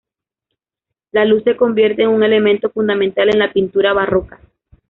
La luz se convierte en un elemento fundamental en la pintura barroca.